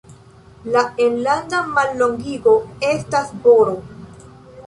La enlanda mallongigo estas Br.